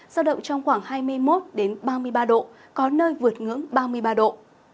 giao động trong khoảng hai mươi một ba mươi ba độ có nơi vượt ngưỡng ba mươi ba độ